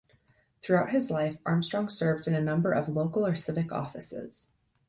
Throughout his life Armstrong served in a number of local or civic offices.